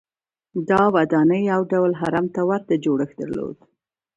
دا ودانۍ یو ډول هرم ته ورته جوړښت درلود.